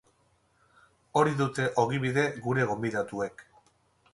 Hori dute ogibide gure gonbidatuek.